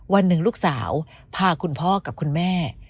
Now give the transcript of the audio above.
วันหนึ่งลูกสาวพาคุณพ่อกับคุณแม่